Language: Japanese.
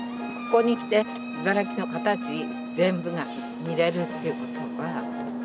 ここに来て、茨城の形全部が見れるということは。